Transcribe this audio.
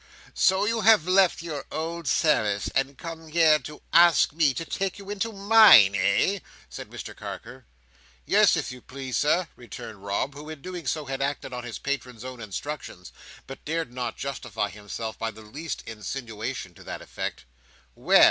"So you have left your old service, and come here to ask me to take you into mine, eh?" said Mr Carker. "Yes, if you please, Sir," returned Rob, who, in doing so, had acted on his patron's own instructions, but dared not justify himself by the least insinuation to that effect. "Well!"